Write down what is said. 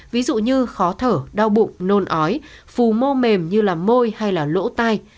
ví dụ như khó thở đau bụng nôn ói phù mô mềm như là môi hay lỗ tai